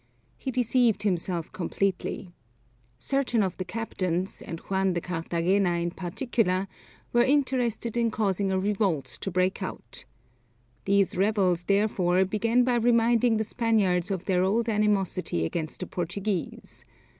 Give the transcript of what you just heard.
He deceived himself completely. Certain of the captains, and Juan de Carthagena in particular, were interested in causing a revolt to break out. These rebels therefore began by reminding the Spaniards of their old animosity against the Portuguese.